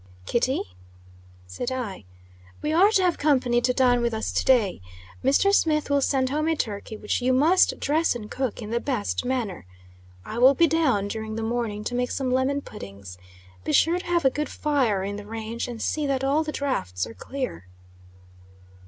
"Kitty," said I, "we are to have company to dine with us to day. Mr. Smith will send home a turkey, which you must dress and cook in the best manner. I will be down during the morning to make some lemon puddings. Be sure to have a good fire in the range, and see that all the drafts are clear."